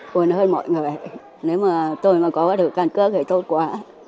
buồn hơn mọi người nếu mà tôi có được căn cứ thì tốt quá